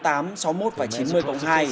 lần lượt hatepo